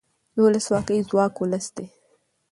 د ولسواکۍ ځواک ولس دی